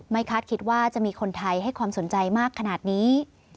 คาดคิดว่าจะมีคนไทยให้ความสนใจมากขนาดนี้